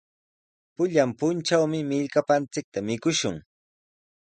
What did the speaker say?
Pullan puntrawmi millkapanchikta mikushun.